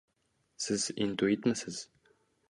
— Siz intuitmisiz?